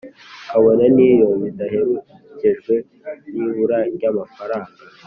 kabone n'iyo bidaherekejwe n'ibura ry'amafaranga.